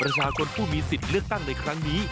ประชาชนผู้มีสิทธิ์เลือกตั้งในครั้งนี้